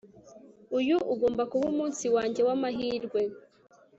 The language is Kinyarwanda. Uyu ugomba kuba umunsi wanjye wamahirwe